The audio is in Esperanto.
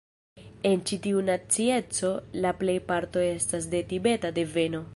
En ĉi tiu nacieco la plejparto estas de Tibeta deveno.